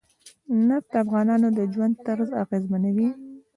نفت د افغانانو د ژوند طرز اغېزمنوي.